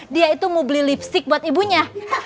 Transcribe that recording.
dia itu mau beli lipstick buat ibunya